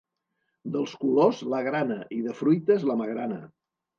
Dels colors, la grana, i, de fruites, la magrana.